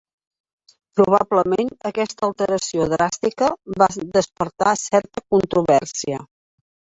Probablement, aquesta alteració dràstica va despertar certa controvèrsia.